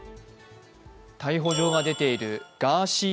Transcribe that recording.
逮捕状が出ているガーシー